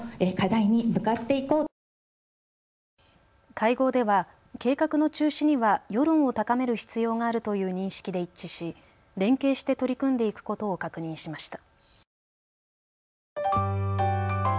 会合では計画の中止には世論を高める必要があるという認識で一致し連携して取り組んでいくことを確認しました。